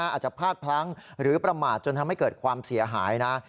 อาจจะพลาดพลั้งหรือประมาทจนทำให้เกิดความเสียหายนะ